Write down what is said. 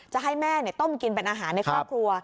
จะให้แม่ต้มกินเป็นอาหารในครอบครัว